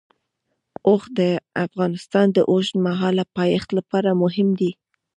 اوښ د افغانستان د اوږدمهاله پایښت لپاره مهم دی.